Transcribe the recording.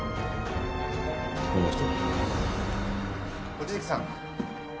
望月さん